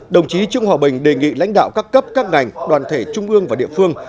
đồng chí trương hòa bình đề nghị lãnh đạo các cấp các ngành đoàn thể trung ương và địa phương